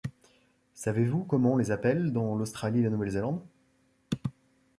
Savez-vous comment on les appelle dans l’Australie et la Nouvelle-Zélande?